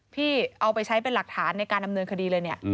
พี่เอาไปใช้เป็นหลักฐานในการดำเนินคดีเลยเนี่ย